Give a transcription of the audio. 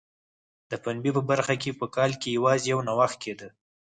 د پنبې په برخه کې په کال کې یوازې یو نوښت کېده.